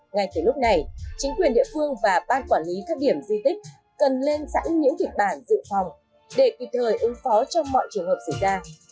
ngay từ lúc này chính quyền địa phương và ban quản lý các điểm di tích cần lên sẵn những kịch bản dự phòng để kịp thời ứng phó trong mọi trường hợp xảy ra